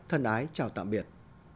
thân ái chào tạm biệt